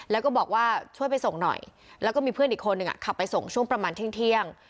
แล้วก็บอกว่าช่วยไปส่งหน่อยแล้วก็มีเพื่อนอีกคนหนึ่งขับไปส่งช่วงประมาณเที่ยง